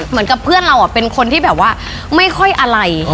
เหมือนกับเพื่อนเราเป็นคนที่แบบว่าไม่ค่อยอะไร